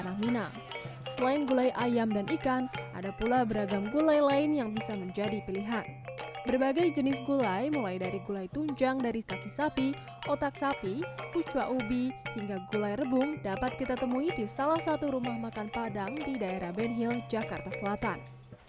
hingga gulai rebung dapat kita temui di salah satu rumah makan padang di daerah benhil jakarta selatan